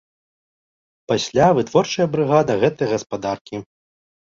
Пасля вытворчая брыгада гэтай гаспадаркі.